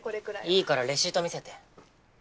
いいからレシート見せて。